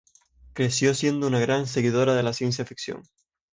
Creció siendo una gran seguidora de la ciencia ficción.